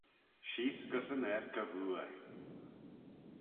Sheese gys yn 'aarkey vooar.